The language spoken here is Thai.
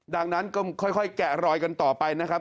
ดังนั้นก็ค่อยแกะรอยกันต่อไปนะครับ